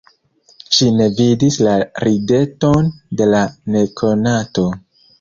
Ŝi ne vidis la rideton de la nekonato.